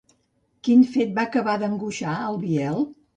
Quin fet va acabar d'angoixar al Biel?